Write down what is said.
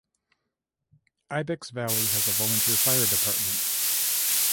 Ibex Valley has a volunteer fire department.